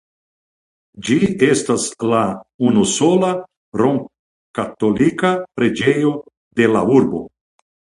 Ĝi estas la unusola romkatolika preĝejo de la urbo.